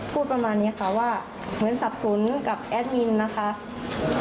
พูดประมาณนี้ค่ะว่าเหมือนสับสนกับแอดมินนะคะ